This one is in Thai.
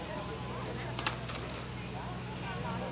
สวัสดีครับทุกคน